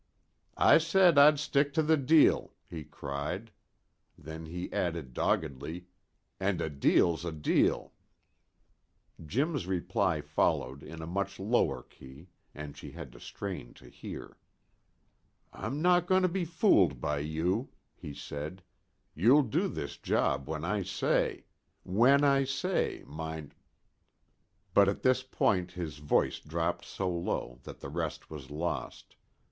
"I said I'd stick to the deal," he cried. Then he added doggedly, "And a deal's a deal." Jim's reply followed in a much lower key, and she had to strain to hear. "I'm not going to be fooled by you," he said. "You'll do this job when I say. When I say, mind " But at this point his voice dropped so low that the rest was lost.